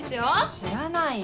知らないよ。